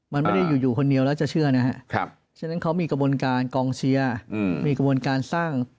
มันไม่ได้อยู่คนเดียวแล้วจะเชื่อนะครับฉะนั้นเขามีกระบวนการกองเชียร์มีกระบวนการสร้าง